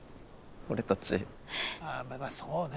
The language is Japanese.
そうね